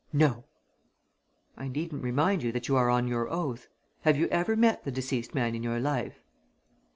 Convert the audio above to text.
"No!" "I needn't remind you that you are on your oath. Have you ever met the deceased man in your life?"